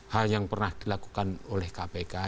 hal yang pernah dilakukan oleh kpk